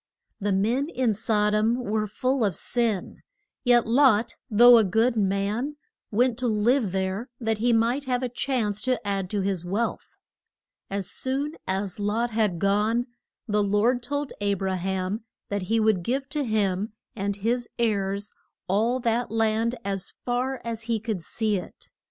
The men in Sod om were full of sin, yet Lot, though a good man, went to live there that he might have a chance to add to his wealth. As soon as Lot had gone, the Lord told A bra ham that he would give to him and his heirs all that land as far as he could see it.